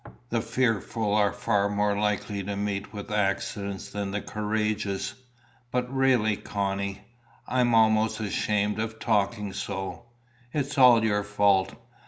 The fearful are far more likely to meet with accidents than the courageous. But really, Connie, I am almost ashamed of talking so. It is all your fault.